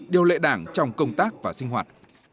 điều lệ đảng trong công tác và sinh hoạt